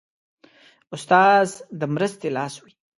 استاد د مرستې لاس وي.